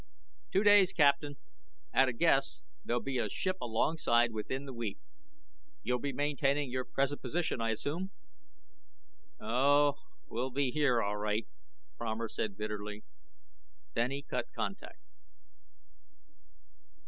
"Two days, Captain. At a guess, there'll be a ship alongside within the week. You'll be maintaining your present position, I assume?" "Oh, we'll be here, all right," Fromer said bitterly. Then he cut contact.